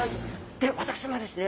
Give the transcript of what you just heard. で私はですね